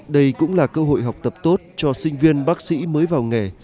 đây cũng là cơ hội học tập tốt cho sinh viên bác sĩ mới vào nghề